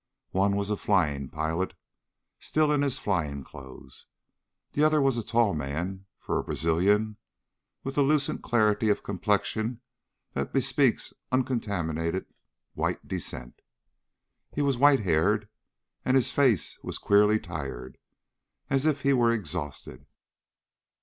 One was a flying pilot, still in his flying clothes. The other was a tall man, for a Brazilian, with the lucent clarity of complexion that bespeaks uncontaminated white descent. He was white haired, and his face was queerly tired, as if he were exhausted.